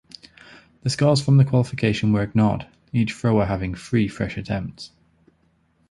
The scores from the qualification were ignored, each thrower having three fresh attempts.